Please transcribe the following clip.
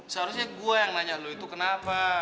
seharusnya gua yang nanya lo itu kenapa